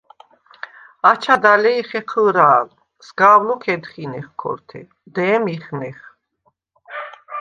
აჩად ალე ი ხეჴჷ̄რა̄ლ: სგავ ლოქ ედხინეხ ქორთე, დე̄მ იხნეხ.